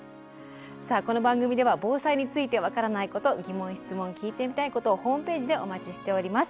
さあこの番組では防災について分からないこと疑問・質問聞いてみたいことをホームページでお待ちしております。